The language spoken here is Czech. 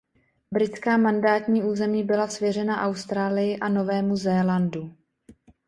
Britská mandátní území byla svěřena Austrálii a Novému Zélandu.